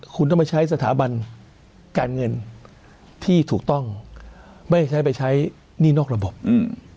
คุณต้องมาใช้สถาบันการเงินที่ถูกต้องไม่ใช้ไปใช้หนี้นอกระบบอืม